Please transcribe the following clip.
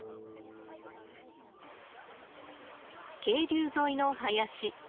渓流沿いの林。